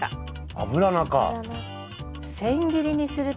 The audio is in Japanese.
アブラナ。